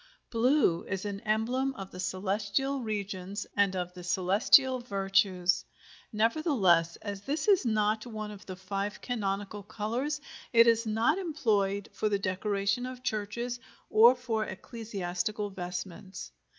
BLUE is an emblem of the celestial regions and of the celestial virtues. Nevertheless, as this is not one of the five canonical colors, it is not employed for the decoration of churches or for ecclesiastical vestments.